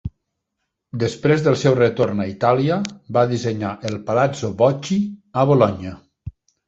Després del seu retorn a Itàlia, va dissenyar el Palazzo Bocchi a Bolonya.